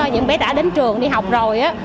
những bé đã đến trường đi học rồi